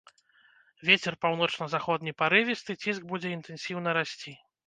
Вецер паўночна-заходні парывісты, ціск будзе інтэнсіўна расці.